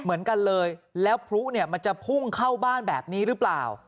เหมือนกันเลยแล้วพลุเนี่ยมันจะพุ่งเข้าบ้านแบบนี้หรือเปล่า